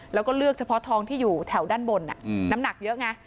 แล้วก็เลือกเฉพาะทองที่อยู่แถวด้านบนน้ำหนักเยอะไง